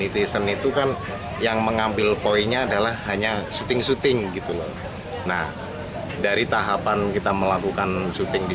didua pating adalah hanya shooting shooting gitu loh nah dari tahapan kita melakukan shooting di